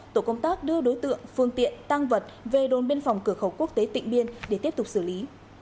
tổ công tác đưa đối tượng phương tiện tăng vật về đồn biên phòng cửa khẩu quốc tế tịnh biên để tiếp tục xử lý